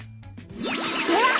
では！